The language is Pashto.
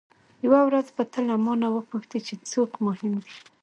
یوه ورځ به ته له مانه وپوښتې چې څوک مهم دی.